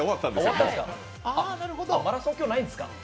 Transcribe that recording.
マラソン、今日はないんですか？